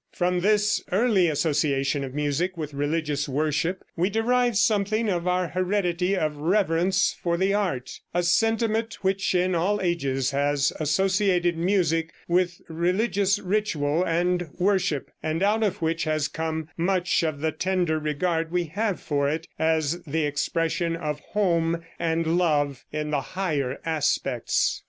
From this early association of music with religious worship we derive something of our heredity of reverence for the art, a sentiment which in all ages has associated music with religious ritual and worship, and out of which has come much of the tender regard we have for it as the expression of home and love in the higher aspects.